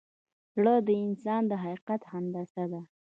زړه د انسان د حقیقت هندسه ده.